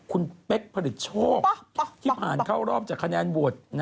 คุณเป๊กผลิตโชคที่ผ่านเข้ารอบจากคะแนนโหวต